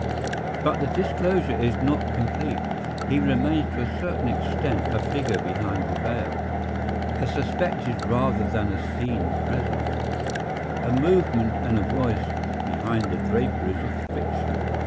But the disclosure is not complete. He remains, to a certain extent, a figure behind the veil; a suspected rather than a seen presence—a movement and a voice behind the draperies of fiction.